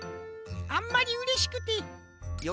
あんまりうれしくてよ